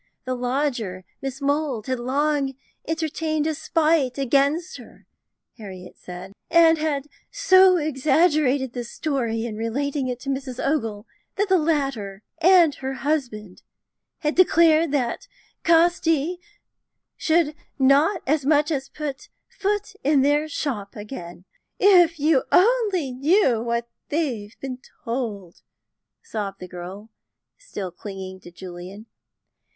The lodger, Miss Mould, had long entertained a spite against her, Harriet said, and had so exaggerated this story in relating it to Mrs. Ogle, that the latter, and her husband, had declared that Casti should not as much as put foot in their shop again. "If you only knew what they've been told!" sobbed the girl, still clinging to Julian.